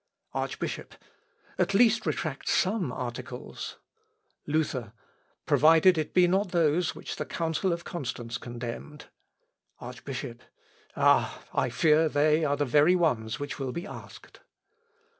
Archbishop. "At least retract some articles." Luther. "Provided it be not those which the Council of Constance condemned." Archbishop. "Ah, I fear they are the very ones which will be asked."